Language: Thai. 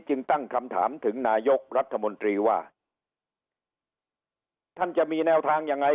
ตั้งคำถามถึงนายกรัฐมนตรีว่าท่านจะมีแนวทางยังไง